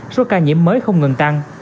số ca nhiễm mới không ngừng tăng